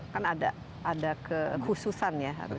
kan ada kekhususan ya harus